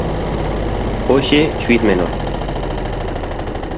Hoxe xuíz menor.